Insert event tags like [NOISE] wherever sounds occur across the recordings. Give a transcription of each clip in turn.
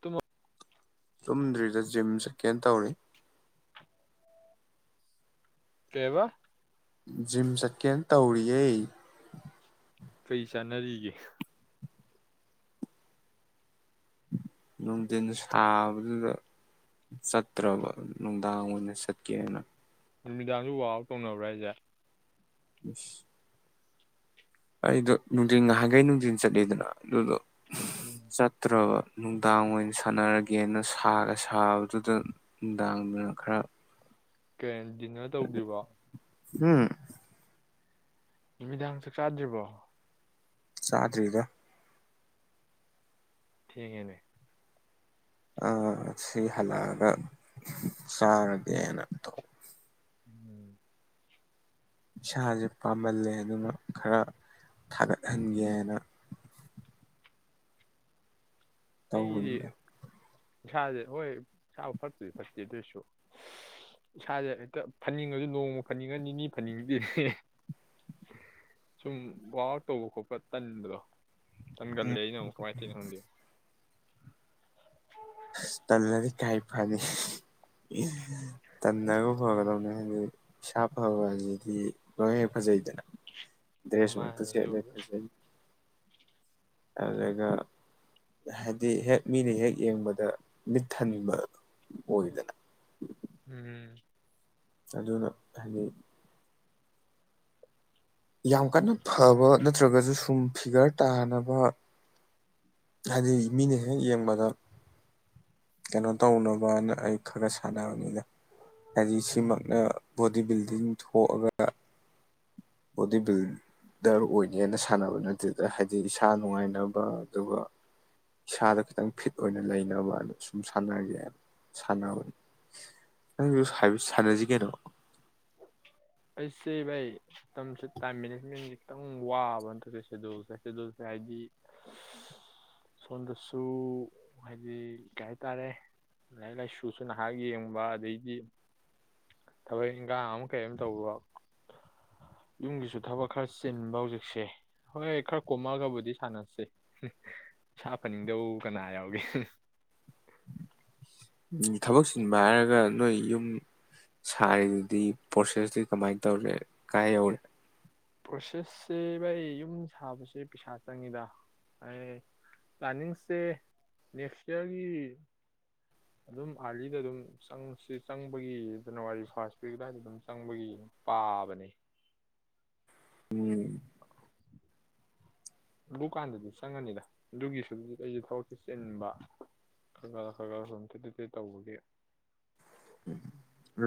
ꯇꯃ ꯇꯨꯝꯗ꯭ꯔꯤꯗ ꯖꯤꯝꯁꯦ ꯀꯦ ꯇꯧꯔꯤ ꯀꯧꯕ ꯖꯤꯝ ꯆꯠꯀꯦꯅ ꯇꯧꯔꯤꯌꯦ ꯀꯩ ꯆꯥꯟꯅꯔꯤꯒꯦ ꯅꯨꯡꯊꯤꯟ ꯁꯥꯕꯗꯨꯗ ꯆꯠꯇ꯭ꯔꯕ ꯅꯨꯡꯗꯥꯡ ꯑꯣꯏꯅ ꯆꯠꯀꯦꯅ ꯅꯨꯃꯤꯗꯥꯡꯁꯨ ꯋꯥꯛ ꯑꯥꯎꯠ ꯇꯧꯅꯕ꯭ꯔꯥ ꯑꯩꯁꯦ [INAUDIBLE] ꯑꯩꯗꯣ ꯅꯨꯡꯊꯤꯟ ꯉꯥꯏꯍꯥꯟꯈꯩ ꯅꯨꯡꯊꯤꯟ ꯆꯠꯂꯤꯗꯅ ꯑꯗꯨꯗꯣ ꯎꯝ ꯆꯠꯇ꯭ꯔ ꯅꯨꯡꯗꯥꯡ ꯑꯣꯏꯅ ꯁꯥꯟꯅꯔꯒꯦꯅ ꯁꯥꯒ ꯁꯥꯕꯗꯨꯗ ꯅꯨꯡꯗꯥꯡꯗꯨꯅ ꯈꯔ ꯀꯦꯟ ꯗꯤꯟꯅꯔ ꯇꯧꯗ꯭ꯔꯤꯕ ꯎꯝ ꯅꯨꯃꯤꯗꯥꯡꯁꯦ ꯆꯥꯗ꯭ꯔꯤꯕꯣ ꯆꯥꯗ꯭ꯔꯤꯗ ꯊꯦꯛꯉꯦꯅꯦ ꯑꯥ ꯁꯤ ꯍꯜꯂꯛꯑꯒ ꯆꯥꯔꯒꯦꯅ ꯇꯧꯕ ꯎꯝ ꯏꯁꯥꯁꯦ ꯄꯥꯝꯃꯜꯂꯦ ꯑꯗꯨꯅ ꯈꯔ ꯊꯥꯒꯠꯍꯟꯒꯦ ꯍꯥꯏꯅ ꯑꯩꯗꯤ ꯇꯧꯕꯂ ꯏꯁꯥꯁꯦ ꯍꯣꯏ ꯏꯁꯥꯕꯨ ꯐꯠꯇꯨꯗꯤ ꯐꯠꯇꯦ ꯑꯗꯨꯏꯁꯨ ꯏꯁꯥꯁꯦ ꯍꯦꯛꯇ ꯐꯅꯤꯡꯉꯁꯨ ꯅꯣꯡꯃ ꯐꯅꯤꯡꯉ ꯅꯤꯅꯤ ꯐꯅꯤꯡꯗꯤ ꯁꯨꯝ ꯋꯥꯛ ꯑꯥꯎꯠ ꯇꯧꯕ ꯈꯣꯠꯄ ꯇꯟꯕꯗꯣ ꯎꯝ ꯀꯟꯒꯜꯂꯦ ꯑꯩꯅ ꯑꯃꯨꯛ ꯀꯃꯥꯏ ꯇꯅꯣ ꯈꯪꯗꯦꯣ ꯇꯂꯗꯤ ꯀꯥꯏ ꯐꯅꯤ ꯇꯟꯅꯒ ꯐꯒꯗꯅꯦ ꯍꯥꯏꯗꯤ ꯁꯥ ꯐꯕ ꯍꯥꯏꯁꯤꯗꯤ ꯂꯣꯏ ꯍꯦꯛ ꯐꯖꯩꯗꯅ ꯎꯝ ꯗꯦꯁ ꯃꯛꯇ ꯃꯥꯅꯦ ꯁꯦꯠꯂꯦ ꯑꯗꯨꯕꯨꯗꯤ ꯐꯖꯩ ꯑꯗꯨꯒ ꯍꯥꯏꯗꯤ ꯍꯦꯛ ꯃꯤꯅ ꯍꯦꯛ ꯌꯦꯡꯕꯗ ꯗ ꯃꯤꯠꯊꯟꯕ ꯑꯣꯏꯗꯅ ꯎꯝ ꯑꯗꯨꯅ ꯍꯥꯏꯗꯤ ꯌꯥꯝ ꯀꯟꯅ ꯐꯕ ꯅꯠꯇ꯭ꯔꯒꯁꯨ ꯁꯨꯝ ꯐꯤꯒꯔ ꯇꯥꯅꯕ ꯍꯥꯏꯗꯤ ꯃꯤꯅ ꯍꯦꯛ ꯌꯦꯡꯕꯗ ꯀꯩꯅꯣ ꯇꯧꯅꯕꯅ ꯑꯩ ꯈꯔ ꯈꯔ ꯁꯥꯟꯅꯕꯅꯤꯗ ꯍꯥꯏꯗꯤ ꯎꯝ ꯁꯤꯃꯛꯅ ꯕꯣꯗꯤ ꯕꯤꯜꯗꯤꯡ ꯊꯣꯛꯑꯒ ꯕꯣꯗꯤ ꯕꯤꯜ ꯗꯔ ꯑꯣꯏꯒꯦꯅ ꯁꯥꯟꯅꯕ ꯅꯠꯇꯗ ꯍꯥꯏꯗꯤ ꯏꯁꯥ ꯅꯨꯡꯉꯥꯏꯅꯕ ꯑꯗꯨꯒ ꯏꯁꯥꯗ ꯈꯤꯇꯪ ꯐꯤꯠ ꯑꯣꯏꯅ ꯂꯩꯅꯕꯅ ꯁꯨꯝ ꯁꯥꯟꯅꯔꯒꯦ ꯁꯥꯟꯅꯕꯅꯤ ꯅꯪ ꯁꯥꯟꯅꯁꯤ ꯀꯩꯅꯣ ꯑꯩꯁꯦꯚꯥꯏ ꯃꯇꯝꯁꯦ ꯇꯥꯏꯝ ꯃꯦꯅꯦꯖꯃꯦꯟꯁ ꯈꯤꯇꯪ ꯋꯥꯕ ꯅꯠꯇ꯭ꯔ ꯁꯦꯗꯨꯜꯁꯦ ꯁꯦꯗꯨꯜꯁꯦ ꯍꯥꯏꯗꯤ ꯁꯣꯝꯗꯁꯨ ꯍꯥꯏꯗꯤ ꯀꯩ ꯍꯥꯏꯇꯥꯔꯦ ꯂꯥꯏꯔꯤꯛ ꯂꯥꯏꯁꯨꯁꯨ ꯅꯍꯥꯛ ꯌꯦꯡꯕ ꯑꯗꯩꯗꯤ ꯊꯕꯛ ꯏꯟꯈꯥꯡ ꯑꯃ ꯀꯔꯤꯝ ꯇꯧꯕ ꯌꯨꯝꯒꯤꯁꯨ ꯊꯕꯛ ꯈꯔ ꯆꯤꯟꯕ ꯍꯧꯖꯤꯛꯁꯦ ꯍꯣꯏ ꯈꯔ ꯀꯣꯝꯃꯒꯕꯨꯗꯤ ꯁꯥꯟꯅꯁꯤꯦ ꯏꯁꯥ ꯐꯅꯤꯡꯗꯕꯨ ꯀꯅꯥ ꯌꯥꯎꯒꯦ ꯊꯕꯛ ꯆꯤꯟꯕ ꯍꯥꯏꯔꯒ ꯅꯣꯏ ꯌꯨꯝ ꯁꯥꯔꯤꯗꯨꯗꯤ ꯄ꯭ꯔꯣꯁꯦꯁꯇꯤ ꯀꯃꯥꯏꯅ ꯇꯧꯔꯦ ꯀꯥꯏ ꯌꯧꯔꯦ ꯄ꯭ꯔꯣꯁꯦꯁꯁꯦ ꯑꯩꯚ ꯑꯩ ꯌꯨꯝ ꯁꯥꯕꯁꯦ ꯄꯩꯁꯥ ꯆꯪꯉꯤꯗ ꯑꯩ ꯄ꯭ꯂꯥꯟꯅꯤꯡꯁꯦ ꯅꯦꯛꯁ ꯏꯌꯥꯔꯒꯤ ꯑꯗꯨꯝ ꯑꯥꯔꯂꯤꯗ ꯑꯗꯨꯝ ꯆꯪꯁꯤ ꯆꯪꯕꯒꯤ ꯖꯟꯋꯥꯔꯤ ꯐꯥꯔꯁ ꯋꯤꯛ ꯑꯗꯨꯋꯥꯏꯗ ꯑꯗꯨꯝ ꯆꯪꯕꯒꯤ ꯄꯥꯕꯅꯤ ꯎꯝ ꯕꯨꯀꯥꯟꯗꯗꯤ ꯆꯪꯉꯅꯤꯗ ꯑꯗꯨꯒꯤꯁꯨꯗꯤ ꯑꯩꯁꯦ ꯊꯕꯛꯁꯦ ꯆꯤꯟꯕ ꯈꯔ ꯈꯔ ꯈ ꯈꯔ ꯁꯨꯝ ꯊꯦ ꯊꯦꯠꯇꯦ ꯇꯧꯕꯒꯤ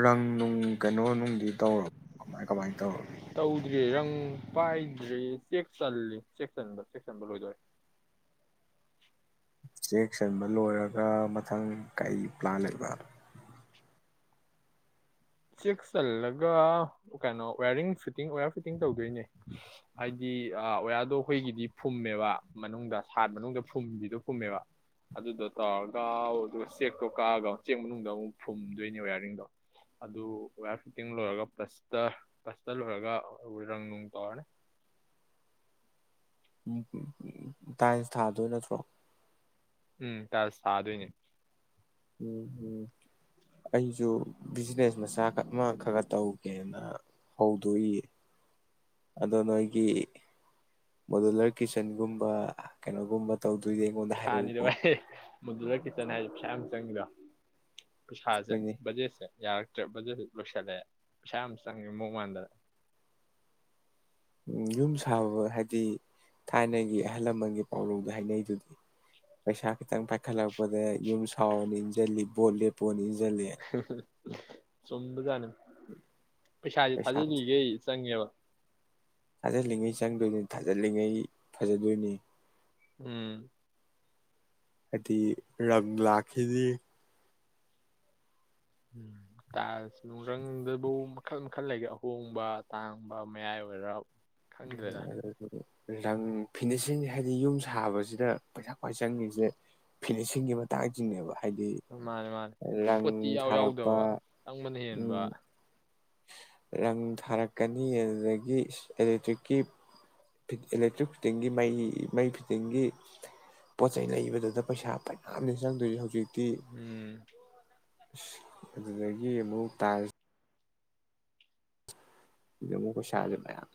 ꯔꯪ ꯅꯨꯡ ꯀꯩꯅꯣ ꯅꯨꯡꯗꯤ ꯇꯧꯔꯕ ꯀꯃꯥꯏ ꯀꯃꯥꯏꯅ ꯇꯧꯔꯒꯦ ꯇꯧꯗꯦ ꯔꯪ ꯄꯥꯏꯗ꯭꯭ꯔꯔꯤ ꯆꯦꯛ ꯆꯜ ꯂꯤ ꯆꯦꯛ ꯆꯟꯕ ꯆꯦꯛ ꯆꯟꯕ ꯂꯣꯏꯗꯣꯏꯔꯦ ꯆꯦꯛꯁꯤꯟꯕ ꯂꯣꯏꯔꯒ ꯃꯊꯪ ꯀꯩ ꯄ꯭ꯂꯥꯟ ꯂꯩꯕ ꯆꯦꯛ ꯆꯜꯂꯒ ꯀꯩꯅꯣ ꯋꯥꯋꯌꯥꯔꯤꯡ ꯐꯤꯠꯇꯤꯡ ꯑꯣꯌꯔ ꯐꯤꯠꯇꯤꯡ ꯇꯧꯗꯣꯏꯅꯦ ꯍꯥꯏꯗꯤ ꯑꯣꯌꯥꯔꯗꯣ ꯑꯩꯈꯣꯏꯒꯤꯗꯤ ꯐꯨꯝꯃꯦꯕ ꯃꯅꯨꯡꯗ ꯁꯥꯠ ꯃꯅꯨꯡꯗ ꯐꯨꯝꯕꯤꯗꯣ ꯐꯨꯝꯃꯦꯕ ꯑꯗꯨꯗꯣ ꯇꯧꯔꯒ ꯑꯗꯨꯒ ꯆꯦꯛꯇꯣ ꯀꯛꯑꯒ ꯑꯃꯨꯛ ꯆꯦꯛ ꯃꯅꯨꯡꯗ ꯑꯃꯨꯛ ꯐꯨꯝꯗꯣꯏꯅꯦ ꯋꯥꯌꯥꯔꯤꯡꯗꯣ ꯑꯗꯨ ꯋꯥꯋꯌꯔ ꯐꯤꯠꯇꯤꯡ ꯂꯣꯏꯔꯒ ꯄ꯭ꯂꯁꯇ ꯄ꯭ꯂꯁꯇ ꯂꯣꯏꯔꯒ ꯔꯪ ꯅꯨꯡ ꯇꯧꯔꯅꯤ ꯎꯝ ꯇꯥꯏꯜꯁ ꯊꯥꯗꯣꯏ ꯅꯠꯇ꯭ꯔꯣ ꯎꯝ ꯇꯥꯢꯜꯁ ꯊꯥꯗꯣꯏꯅꯦ ꯎꯝ ꯎꯝ ꯑꯩꯁꯨ ꯕꯤꯖꯤꯅꯦꯁ ꯃꯆꯥ ꯑꯃ ꯈꯔ ꯇꯧꯒꯦꯅ ꯍꯧꯗꯣꯛꯏ ꯑꯗꯣ ꯅꯣꯏꯒꯤ ꯃꯣꯗꯨꯂꯔ ꯀꯤꯠꯆꯟꯒꯨꯝꯕ ꯀꯩꯅꯣꯒꯨꯝꯕ ꯇꯧꯗꯣꯏꯅꯦ ꯑꯩꯉꯣꯟꯗ ꯍꯥꯏꯔꯛꯎꯀꯣ ꯃꯗꯨꯗ ꯀꯤꯠꯆꯟ ꯍꯥꯏ ꯄꯩꯁꯥ ꯌꯥꯝ ꯆꯪ ꯉꯤꯗ ꯄꯩꯁꯥ ꯖꯦ ꯑꯩꯈꯣꯏꯅꯦ ꯕꯖꯦꯠ ꯁꯦ ꯌꯥꯔꯛꯇ꯭ꯔꯕꯗꯨꯁꯨ ꯂꯣꯏꯁꯤꯜꯂꯦ ꯄꯩꯁꯥ ꯌꯥꯝ ꯆꯪꯉꯦ ꯃꯑꯣ ꯃꯥꯟꯗꯅ ꯎꯝ ꯌꯨꯝ ꯁꯥꯕ ꯍꯥꯏꯗꯤ ꯊꯥꯏꯅꯒꯤ ꯑꯍꯜ ꯂꯃꯟꯒꯤ ꯄꯥꯎꯔꯧꯗ ꯍꯥꯏꯅꯩꯗꯨꯗꯤ ꯄꯩꯁꯥ ꯈꯤꯇꯪ ꯄꯥꯏꯈꯠꯂꯛꯄꯗ ꯌꯨꯝ ꯁꯥꯎꯅ ꯏꯟꯁꯤꯜꯂꯤ ꯕꯣꯠ ꯂꯦꯞꯄꯣꯅ ꯂꯩ ꯁꯣꯝꯕꯒꯅꯝ ꯄꯩꯁꯥꯁꯦ ꯄꯩꯁꯥ ꯊꯥꯖꯤꯜꯂꯤꯈꯩ ꯆꯪꯉꯦꯕ ꯊꯥꯖꯜꯂꯤꯉꯩ ꯆꯪꯗꯣꯏꯅꯤ ꯊꯥꯖꯜꯂꯤꯉꯩ ꯐꯖꯗꯣꯏꯅꯤ ꯎꯝ ꯍꯥꯏꯗꯤ ꯔꯝ ꯂꯥꯛꯈꯤꯅꯤ ꯎꯝ ꯅꯨꯡꯒꯪꯗꯕꯨ ꯃꯈꯜ ꯃꯈꯜ ꯂꯩꯒꯦ ꯑꯍꯣꯡꯕ ꯇꯥꯡꯕ ꯃꯌꯥꯏ ꯑꯣꯏꯔ ꯎꯝ ꯈꯪꯗ꯭ꯔꯦꯗ ꯑꯗꯨ ꯐ ꯔꯪ ꯐꯤꯅꯤꯁꯤꯡ ꯍꯥꯏꯗꯤ ꯌꯨꯝ ꯁꯥꯕꯁꯤꯗ ꯄꯩꯁꯥ ꯈ꯭ꯋꯥꯏ ꯆꯪꯉꯁꯦ ꯐꯤꯅꯤꯁꯤꯡꯒꯤ ꯃꯇꯥꯡꯁꯤꯅꯦꯕ ꯍꯥꯏꯗꯤ ꯃꯥꯅꯦ ꯃꯥꯅꯤ ꯔꯪ ꯄꯣꯠꯇꯤ ꯌꯥꯎ ꯊꯥꯔꯛꯄ ꯌꯥꯎꯗꯕ ꯑꯪꯕꯅ ꯍꯦꯟꯕ ꯎꯝ ꯔꯪ ꯊꯥꯔꯛꯀꯅꯤ ꯑꯗꯨꯗꯒꯤ ꯑꯦꯂꯦꯛꯇ꯭ꯔꯤꯛꯀꯤ ꯏꯂꯦꯛꯇ꯭ꯔꯤꯛ ꯐꯤꯠꯇꯤꯡꯒꯤ ꯃꯩ ꯃꯩ ꯐꯤꯠꯇꯤꯡꯒꯤ ꯄꯣꯠ ꯆꯩꯩ ꯂꯩꯕꯗꯨꯗ ꯄꯩꯁꯥ ꯃꯌꯥꯝꯅꯤ ꯆꯪꯗꯣꯏꯁ ꯍꯧꯖꯤꯛ ꯀ ꯎꯝ ꯑꯗꯨꯗꯒꯤ ꯑꯃꯨꯛ ꯇꯥꯏꯜꯁ ꯗ ꯑꯃꯨꯛ ꯄꯩꯁꯥꯁꯦ ꯃꯌꯥꯝ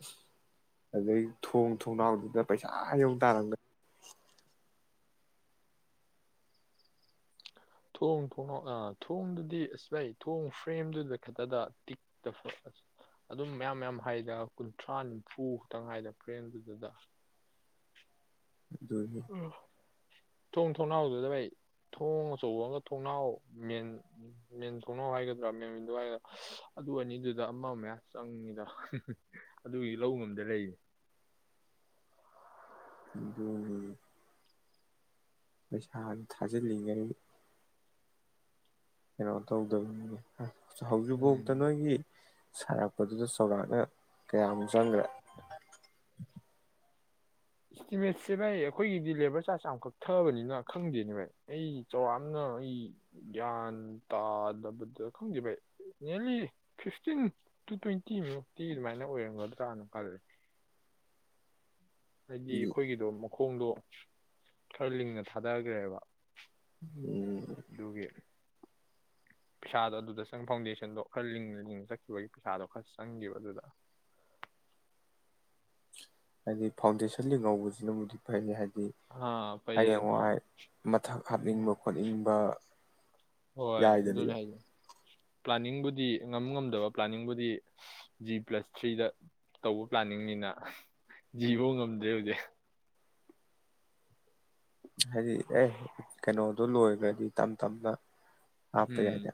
ꯑꯗꯨꯗꯩ ꯊꯣꯡ ꯊꯣꯡꯅꯥꯎꯗꯨꯗ ꯄꯩꯁꯥ ꯌꯧ ꯇꯥꯔꯝꯒꯅꯤ ꯊꯣꯡ ꯊꯣꯡꯅ ꯑ ꯊꯣꯡꯗꯨꯗꯤ ꯑꯁꯥꯏ ꯊꯣꯡ ꯐ꯭ꯔꯦꯝꯗꯨꯗ ꯈꯛꯇꯗ ꯇꯤꯛꯇ ꯑ ꯑꯗꯨꯝ ꯃꯌꯥꯝ ꯃꯌꯥꯝ ꯍꯥꯏꯗ ꯀꯨꯟꯊ꯭ꯔꯥ ꯅꯤꯐꯨ ꯈꯛꯇꯪ ꯍꯥꯏꯗ ꯐ꯭ꯔꯦꯝꯗꯨꯗꯨꯗ ꯑꯗꯨꯅꯤ ꯑꯣ ꯊꯣꯡ ꯊꯣꯡꯅꯥꯎꯗꯨꯗ ꯚꯥꯏ ꯊꯣꯡ ꯑꯆꯧꯕ ꯑꯃꯒ ꯊꯣꯡꯅꯥꯎ ꯃꯦꯟ ꯃꯦꯟ ꯊꯣꯡꯅꯥꯎ ꯍꯥꯏꯒꯗ꯭ꯔꯥ ꯃꯦꯟꯗꯨ ꯍꯥꯏꯒꯗ꯭ꯔꯥ ꯑꯗꯨ ꯑꯅꯤꯗꯨꯗ ꯑꯃ ꯑꯃꯌꯥꯝ ꯆꯪꯉꯤꯗ ꯑꯗꯨꯒꯤ ꯂꯧ ꯉꯝꯗ ꯂꯩꯌꯦ ꯑꯗꯨꯅꯤ ꯄꯩꯁꯥ ꯊꯥꯖꯤꯜꯂꯤꯉꯅꯤ ꯀꯩꯅꯣ ꯇꯧꯗꯕꯅꯤꯅꯦ ꯍꯧꯖꯤꯛꯐꯥꯎꯗ ꯎꯝ ꯅꯣꯏꯒꯤ ꯁꯥꯔꯛꯄ ꯄ ꯑꯗꯨꯗ ꯆꯥꯎꯧꯔꯥꯛꯅ ꯀꯌꯥꯃꯨꯛ ꯆꯪꯈ꯭ꯔꯦ ꯏꯁꯇꯤꯃꯦꯠꯁꯦ ꯚꯥꯏ ꯑꯩꯈꯣꯏꯒꯤꯗꯤ ꯂꯦꯕꯔ ꯆꯥꯔꯖ ꯌꯥꯝ ꯀꯛꯊꯕꯅꯤꯅ ꯈꯪꯗꯦꯅꯦ ꯚꯥꯏ ꯑꯩ ꯆꯥꯎꯔꯥꯛꯅ ꯑꯩ ꯒ꯭ꯌꯥꯟ ꯇꯥꯗꯕꯗ ꯈꯪꯗꯦ ꯚꯥꯏ ꯅꯤꯔꯂꯤ ꯐꯤꯐꯇꯤꯟ ꯇꯨ ꯇ꯭ꯋꯦꯟꯇꯤ ꯃꯨꯛꯇꯤ ꯑꯗꯨꯃꯥꯏꯅ ꯑꯣꯏꯔꯝꯒꯗ꯭ꯔꯥꯅ ꯈꯜꯂ ꯍꯥꯏꯗꯤ ꯑꯩꯈꯣꯏꯒꯤꯗꯣ ꯃꯈꯣꯡꯗꯣ ꯈꯔ ꯂꯤꯡꯅ ꯊꯥꯗꯈ꯭ꯔꯦꯕ ꯑꯗꯨꯒꯤ ꯄꯩꯁꯥꯗꯣ ꯑꯗꯨꯗ ꯆꯪ ꯐꯥꯎꯟꯗꯦꯁꯟꯗꯣ ꯈꯔ ꯂꯤꯡꯅ ꯂꯤꯡꯅ ꯆꯠꯈꯤꯕꯒꯤ ꯄꯩꯁꯥꯗꯣ ꯈꯔ ꯆꯪꯈꯤꯕ ꯑꯗꯨꯗ ꯍꯥꯏꯗꯤ ꯐꯥꯎꯟꯗꯦꯁꯟ ꯂꯤꯡ ꯉꯧꯕꯁꯤꯅꯕꯨꯗꯤ ꯐꯩꯅꯤ ꯍꯥꯏꯗꯤ ꯑꯥ ꯐꯩꯌꯦ ꯍꯌꯦꯡꯋꯥꯏ ꯃꯊꯛ ꯍꯥꯞꯅꯤꯡꯕ ꯈꯣꯠꯅꯤꯡꯕ ꯍꯣꯏ ꯑꯗꯨꯅꯦ ꯌꯥꯏꯗꯅ ꯍꯥꯏꯁꯦ ꯄ꯭ꯂꯥꯅꯤꯡꯕꯨꯗꯤ ꯉꯝ ꯉꯝꯗꯕ ꯄ꯭ꯂꯥꯅꯤꯡꯕꯨꯗꯤ ꯖꯤ ꯄ꯭ꯂꯁ ꯊ꯭ꯔꯤꯗ ꯇꯧꯕ ꯄ꯭ꯂꯥꯅꯤꯡꯅꯤꯅ ꯖꯤ ꯐꯧ ꯉꯝꯗ꯭ꯔꯦ ꯍꯧꯖꯤꯛ ꯍꯥꯏꯗꯤ ꯑꯦ ꯀꯩꯅꯣꯗꫭ ꯂꯣꯏꯈ꯭ꯔꯗꯤ ꯇꯞ ꯇꯞꯅ ꯍꯥꯄ ꯎꯝ ꯌꯥꯏꯗ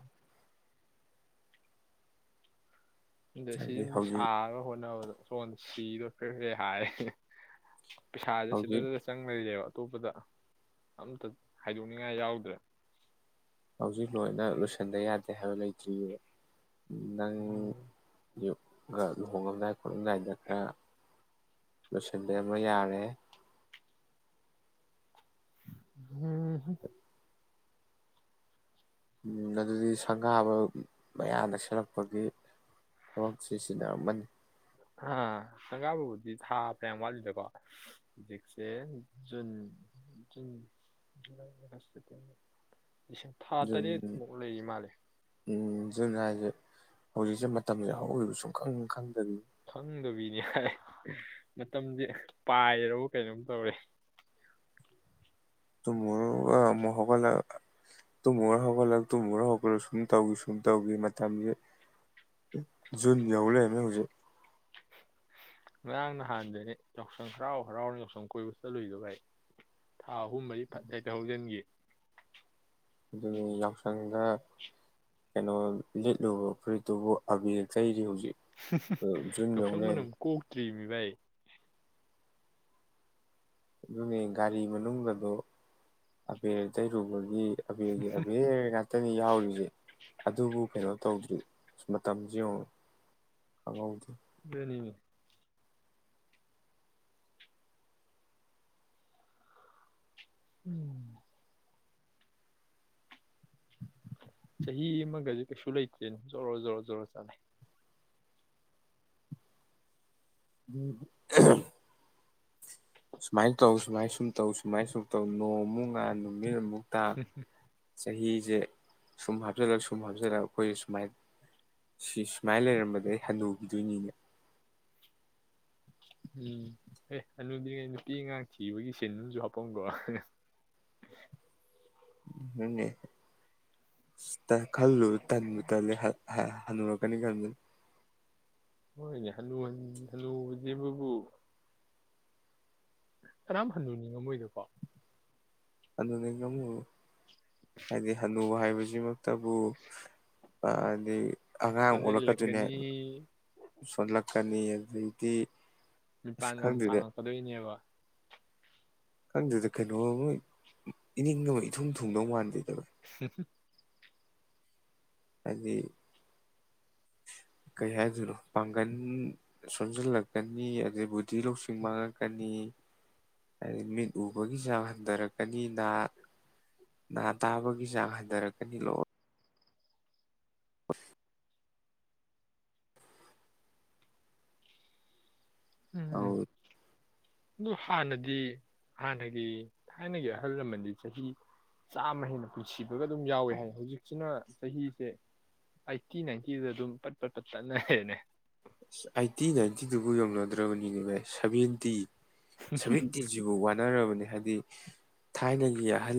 ꯑꯗ ꯁꯤ ꯍꯥꯏꯗꯤ ꯌꯨꯝꯗ ꯍꯧꯖꯤꯛ ꯁꯥꯔꯒ ꯍꯣꯠꯅꯕꯗꯣ ꯁꯣꯟ ꯁꯤꯗꯣ ꯐꯦ ꯍꯥꯏꯔꯦ ꯄꯩꯁꯥꯁꯦ ꯍꯧꯖꯤꯛ ꯁꯤꯗꯗꯨꯗ ꯆꯪꯂꯩꯔꯦꯕ ꯑꯇꯣꯞꯄꯗ ꯑꯝꯇ ꯍꯥꯏꯗꯣꯛꯅꯤꯡꯉꯥꯏ ꯌꯥꯎꯗ꯭ꯔꯦ ꯍꯧꯖꯤꯛ ꯂꯣꯏꯅ ꯂꯣꯏꯁꯤꯟꯗ ꯌꯥꯗꯦ ꯍꯥꯏꯕ ꯂꯩꯇ꯭ꯔꯤꯕ ꯅꯪ ꯎꯝ ꯈ ꯂꯨꯍꯣꯡꯉꯝꯗꯥꯏ ꯈꯣꯠꯂꯝꯗꯥꯏꯗ ꯈꯔ ꯂꯣꯏꯁꯤꯟꯗ ꯑꯃ ꯌꯥꯔꯦ ꯍꯝ ꯑꯗꯨꯗꯤ ꯁꯪꯒꯥꯕ ꯃꯌꯥꯅ ꯅꯛ ꯁꯤꯜꯂꯛꯄꯒꯤ ꯊꯕꯛꯁꯤ ꯆꯤꯟꯅꯔꯝꯃꯅꯤ ꯑ ꯁꯪꯒꯥ ꯕꯕꯨꯗꯤ ꯊꯥꯒ ꯌꯥꯝ ꯋꯥꯠꯂꯤꯗꯀꯣ ꯍꯧꯖꯤꯛꯁꯦ ꯖꯨꯟ ꯖꯨꯟ ꯖ ꯁꯦꯇꯦꯝꯔ ꯎꯝ ꯖꯨꯟ ꯍꯥꯏꯖꯦ ꯍꯧꯖꯤꯛꯁꯦ ꯃꯇꯝꯁꯦ ꯍꯧꯔꯤꯕ ꯁꯨꯝ ꯈꯪ ꯈꯪꯗ ꯈꯪꯗꯕꯤꯅꯦ ꯍꯥꯏ ꯃꯇꯝꯖꯦ ꯄꯥꯏꯔ ꯕ ꯀꯩꯅꯣꯝ ꯇꯧꯔꯦ ꯇꯨꯃꯒ ꯑꯃꯨꯛ ꯍꯧꯒꯠꯂ ꯇꯨꯃ ꯍꯧꯒꯠꯂꯛꯒ ꯇꯨꯃꯣꯔ ꯍꯧꯒꯠꯂꯛ ꯁꯨꯝ ꯇꯧꯈꯤ ꯁꯨꯝ ꯇꯧꯈꯤ ꯃꯇꯝꯁ ꯖꯨꯟ ꯌꯧ ꯂꯩꯔꯝꯃꯦ ꯍꯧꯖꯤꯛ ꯉꯔꯥꯡ ꯅꯍꯥꯟꯗꯅꯦ ꯌꯥꯎꯁꯪ ꯍꯔꯥꯎ ꯍꯔꯥꯎꯅ ꯌꯥꯎꯁꯪ ꯀꯣꯏꯕ ꯆꯠꯂꯨꯏꯗ ꯚꯥꯏ ꯊꯥ ꯑꯍꯨꯝ ꯃꯔꯤ ꯐꯠ ꯍꯦꯛꯗ ꯍꯧꯖꯤꯟꯒꯤ ꯑꯗꯨꯗꯤ ꯌꯥꯎꯁꯪꯗ ꯀꯩꯅꯣ ꯂꯤꯠꯂꯨꯕ ꯐꯨꯔꯤꯠꯇꯨꯕꯨ ꯑꯕꯤꯔ ꯇꯩꯔꯤ ꯍꯧꯖꯤꯛ ꯖꯨꯟ ꯌꯧ ꯌꯥꯎꯁꯪ ꯃꯅꯝ ꯂꯩꯔꯝꯃꯦ ꯀꯣꯛꯇ꯭ꯔꯤ ꯚꯏ ꯑꯗꯨꯅꯦ ꯒꯥꯔꯤ ꯃꯅꯨꯡꯌꯗꯣ ꯑꯕꯦꯔ ꯇꯩꯔꯨꯕꯒꯤ ꯑꯕꯦꯒꯤ ꯑꯕꯦꯔ ꯉꯥꯛꯇꯅꯤ ꯌꯥꯎꯔꯤꯁꯦ ꯑꯗꯨꯕꯨ ꯀꯩꯅꯣ ꯇꯧꯗ꯭ꯔꯤ ꯑ ꯃꯇꯝꯁꯦ ꯌꯦꯡꯉꯨ ꯈꯪꯍꯧꯗꯦ ꯗꯨꯅꯤꯅꯦ ꯎꯝ ꯆꯍꯤ ꯑꯃꯒꯗꯤ ꯀꯩꯁꯨ ꯂꯩꯇ꯭ꯔꯦꯅ ꯖꯣꯔꯣ ꯖꯣꯔꯔꯣ ꯖꯔꯣ ꯆꯠꯂꯦ ꯎꯝ ꯁꯨꯃꯥꯏꯅ ꯇꯧ ꯁꯨꯃꯥꯏꯅ ꯁꯨꯝ ꯇꯧ ꯁꯨꯃꯥꯏꯅ ꯁꯨꯝ ꯇꯧ ꯅꯣꯡꯃꯨꯛ ꯉꯥꯥꯟ ꯅꯨꯨ ꯃꯤꯠ ꯑꯃꯨꯛ ꯇꯥ ꯍꯝ ꯆꯍꯤꯁꯦ ꯁꯨꯝ ꯍꯥꯞꯆꯤꯜꯂꯒ ꯁꯨꯝ ꯍꯥꯞꯆꯜꯂꯒ ꯑꯩꯈꯣꯏꯁꯦ ꯁꯨꯃꯥꯏ ꯁꯤ ꯁꯨꯃꯥꯏꯅ ꯂꯩꯔꯝꯕꯗꯩꯩ ꯑꯩ ꯍꯟꯗꯨꯈꯤꯗꯣꯏꯅꯤꯅꯦ ꯎꯝ ꯑꯦ ꯑꯅꯤꯗꯤꯉꯩ ꯅꯨꯄꯤ ꯑꯉꯥꯡ ꯊꯤꯕꯒꯤ ꯁꯤꯟꯁꯨ ꯍꯥꯞꯄꯝ ꯒꯣꯔꯥ ꯎ ꯈꯜꯂꯨ ꯇ ꯇꯦ ꯍꯅꯨꯔ ꯀꯅꯤ ꯈꯗ ꯍꯣꯏꯅꯦ ꯍꯟꯅꯨ ꯍꯟꯅꯨ ꯖꯦꯕꯕꯕꯨ ꯀꯅꯥꯝ ꯍꯟꯅꯨ ꯅꯤꯉꯝꯃꯣꯏꯅꯦꯀꯣ ꯑꯗꯣꯅꯤ [UNINTELLIGIBLE] ꯍꯥꯏꯗꯤ ꯍꯥꯅꯨ ꯅꯨꯕ ꯍꯥꯏꯕꯁꯤꯃꯛꯇꯕꯨ ꯍꯥꯏ ꯗꯤ ꯑꯉꯥꯡ ꯑꯣꯜꯂꯛꯀꯗꯨꯏꯅꯦ ꯁꯣꯟꯖꯜꯂꯛꯀꯅꯤ ꯁꯣꯜꯂꯛꯀꯅꯤ ꯑꯗꯨꯗꯒꯤ ꯇꯤ ꯃꯤꯄꯥꯥꯟ [UNINTELLIGIBLE] ꯇꯥꯡꯉꯛꯀꯗꯣꯏꯅꯦꯕ ꯈꯪꯗꯦꯗ ꯀꯩꯅꯣ ꯑꯃ ꯏꯅꯤꯡ ꯑꯃ ꯏꯊꯨꯡ ꯊꯨꯡꯗꯧ ꯃꯥꯟꯗꯦꯗ [UNINTELLIGIBLE] ꯍꯥꯏꯗꯤ ꯀꯩ ꯍꯥꯏꯗꯣꯏꯅꯣ ꯄꯥꯡꯒꯜ ꯁꯣꯝꯖꯤꯜꯂꯛꯀꯅꯤ ꯑꯗꯨꯗꯩ ꯕꯨꯙꯤ ꯂꯧꯁꯤꯡ ꯃꯥꯡꯂꯛꯀꯅꯤ ꯍꯥꯏꯗꯤ ꯃꯤꯠ ꯎꯕꯒꯤ ꯆꯥꯡ ꯍꯟꯊꯔꯛꯀꯅꯤ ꯅꯥ ꯇꯥꯕꯒꯤ ꯆꯥꯡ ꯍꯟꯊꯔꯛꯀꯅꯤ ꯂꯣꯏ ꯑꯁ ꯑ ꯎꯝ ꯑꯗꯨ ꯍꯥꯟꯅꯗꯤ ꯍꯥꯟꯅꯒꯤ ꯊꯥꯏꯅꯒꯤ ꯑꯍꯜ ꯂꯃꯟꯗꯤ ꯆꯍꯤ ꯆꯥꯝꯃ ꯍꯦꯟꯅ ꯄꯨꯟꯁꯤꯕꯒ ꯑꯗꯨꯝ ꯌꯥꯎꯋꯦ ꯍꯥꯏ ꯍꯧꯖꯤꯛꯁꯤꯅ ꯆꯍꯤꯁꯦ ꯑꯩꯠꯇꯤ ꯅꯥꯏꯟꯇꯤꯗ ꯑꯗꯨꯝ ꯄꯠ ꯄꯠ ꯄꯠ ꯇꯠꯅꯔꯦꯅꯦ ꯑꯁ ꯑꯩꯥꯏꯇꯤ ꯅꯥꯏꯟꯇꯤꯗꯨꯕꯨ ꯌꯧꯅꯗ꯭ꯔꯕꯅꯤꯅꯦ ꯁꯕꯦꯟꯇꯤ ꯁꯥꯕꯦꯟꯇꯤ ꯁꯤꯐꯥꯎ ꯋꯥꯠ ꯅꯔꯕꯅꯤ ꯍꯥꯏꯗꯤ ꯊꯥꯏꯅꯒꯤ ꯑꯍꯜ